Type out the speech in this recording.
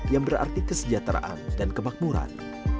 yang berarti kesejahteraan dan kemakmuran